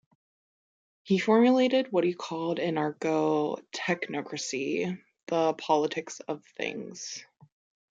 He formulated what he called Anarcho - Technocracy : 'The Politics of Things'.